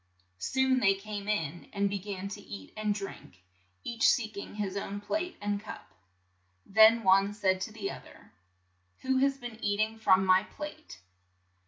Soon they came in, and be gan to eat and drink, each seek ing his own plate and cup. Then one said to the oth er, "Who has been eat ing from my plate?